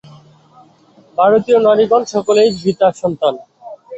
ভারতীয় নারীগণ সকলেই সীতার সন্তান।